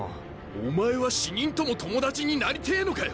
お前は死人とも友達になりてぇのかよ！